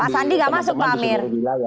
pak sandi nggak masuk pak amir